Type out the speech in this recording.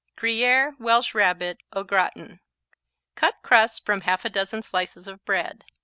Gruyère Welsh Rabbit au gratin Cut crusts from a half dozen slices of bread.